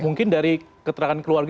mungkin dari keterangan keluarga